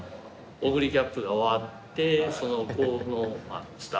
オグリキャップが終わってその後のスターホース。